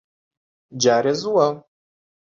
جارێ زووە.